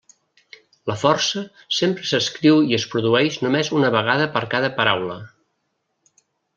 La força sempre s'escriu i es produeix només una vegada per cada paraula.